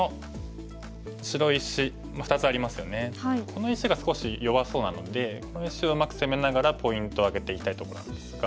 この石が少し弱そうなのでこの石をうまく攻めながらポイントを挙げていきたいところなんですが。